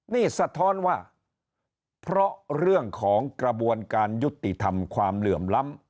นี่สะท้อนว่าเพราะเรื่องของกระบวนการยุติธรรมความเหลื่อมล้ำ